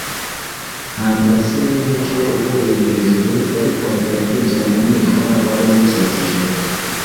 Nta murasire w’umucyo uvuye mu ijuru wari kongera kwinjira mu mwijima wari umukikije.